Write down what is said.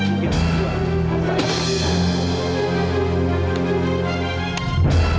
tiga dua satu